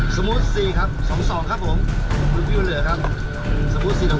สมูทซีครับ๒๒๓๒ครับผมคุณวิวเหลือครับสมูท๒๔๒๒ครับ